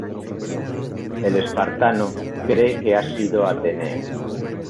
El espartano cree que ha sido Atenea.